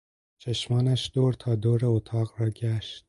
چشمانش دور تا دور اتاق را گشت.